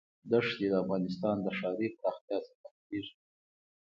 دښتې د افغانستان د ښاري پراختیا سبب کېږي.